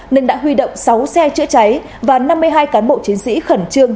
nên đã huy động sáu xe trợi trái và năm mươi hai cán bộ chiến sĩ khẩn trương